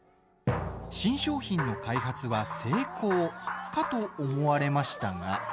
新商品の開発は成功かと思われましたが。